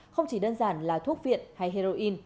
không chỉ đơn giản là thuốc viện hay heroin